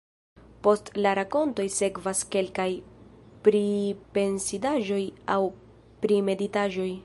Post la rakontoj sekvas kelkaj pripensindaĵoj aŭ primeditaĵoj.